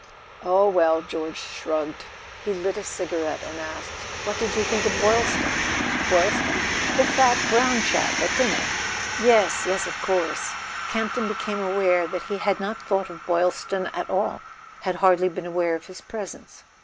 "Oh, well," George shrugged. He lit a cigarette, and asked: "What did you think of Boylston?" " Boylston ?" "The fat brown chap at dinner." "Yes—yes—of course." Campton became aware that he had not thought of Boylston at all, had hardly been aware of his presence.